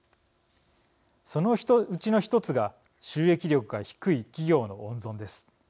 そのうちの１つが収益力が低い企業の温存です。